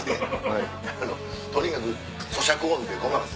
とにかくそしゃく音でごまかせ。